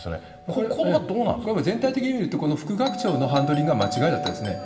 これは全体的に見ると、この副学長のハンドリングが間違いだったんですね。